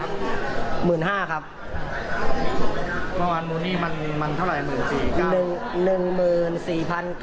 เราเอาแค่ฟาร์มเป็นจริงพอ